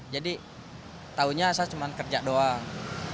jadi taunya saya cuma kerja doang